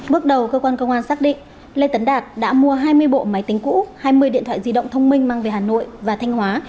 bước đầu cơ quan công an xác định lê tấn đạt đã mua hai mươi bộ máy tính cũ hai mươi điện thoại di động thông minh mang về hà nội và thanh hóa